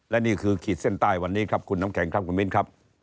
และนี่คือขีดเส้นใต้วันนี้ครับคุณน้ำแข็งครับคุณมิ้นครับ